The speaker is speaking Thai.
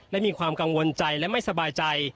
และมีความกังวลใจและไม่สบายใจ